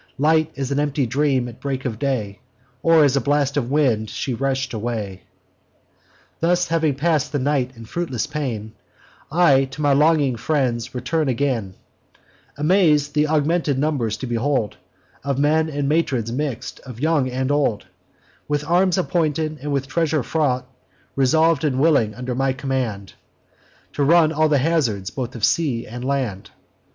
Light as an empty dream at break of day, Or as a blast of wind, she rush'd away. "Thus having pass'd the night in fruitless pain, I to my longing friends return again, Amaz'd th' augmented number to behold, Of men and matrons mix'd, of young and old; A wretched exil'd crew together brought, With arms appointed, and with treasure fraught, Resolv'd, and willing, under my command, To run all hazards both of sea and land.